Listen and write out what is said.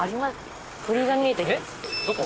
どこ？